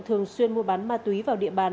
thường xuyên mua bán ma túy vào địa bàn